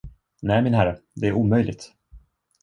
Nej, min herre, det är omöjligt.